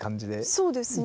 そうですね